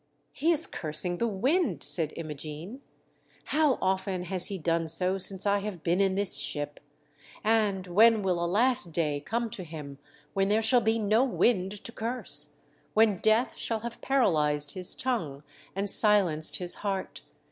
" He is cursing the wind," said Imogene. "How often has he done so since I have been in this ship ! And when will a last day come to him, when there shall be no wind to curse, when death shall have paralysed his tongue and silenced his heart?